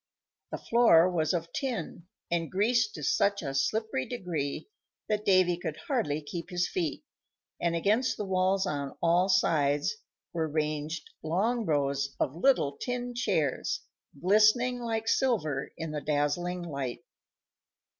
The floor was of tin, and greased to such a slippery degree that Davy could hardly keep his feet, and against the walls on all sides were ranged long rows of little tin chairs glistening like silver in the dazzling light.